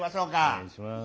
お願いします。